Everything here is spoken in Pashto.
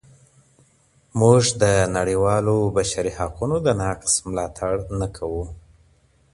موږ د نړیوالو بشري حقونو د نقض ملاتړ نه کوو.